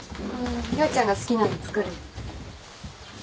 陽ちゃんが好きなの作るよ。